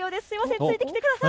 ついてきてください。